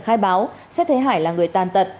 khai báo xét thế hải là người tàn tật